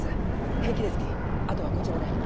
平気ですきあとはこちらで。